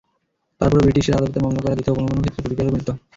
তারপরও ব্রিটিশের আদালতে মামলা করা যেত, কোনো কোনো ক্ষেত্রে প্রতিকারও মিলত।